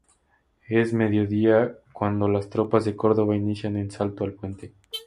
Es mediodía cuando las tropas de Córdova inician el asalto al puente.